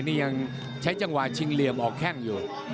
นี่ยังใช้จังหวะชิงเหลี่ยมออกแข้งอยู่